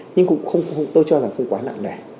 nhưng tôi cho là không quá nặng nẻ